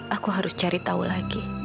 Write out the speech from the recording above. aku harus cari tahu lagi